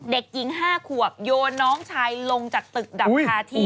เด็กหญิง๕ขวบโยนน้องชายลงจากตึกดับคาที่